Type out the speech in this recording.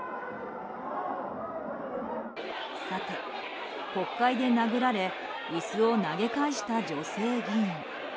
さて、国会で殴られ椅子を投げ返した女性議員。